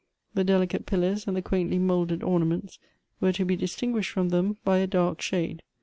The delicate pil lars and the quaintly moulded ornaments were to be distinguished from them by a dark shade.